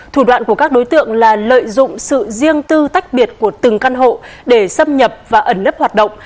thủ đoạn của các đối tượng là lợi dụng sự riêng tư tách biệt của từng căn hộ để xâm nhập và ẩn nấp hoạt động